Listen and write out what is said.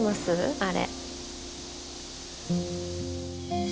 あれ。